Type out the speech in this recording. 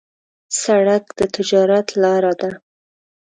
سړک د تجارت لاره ده.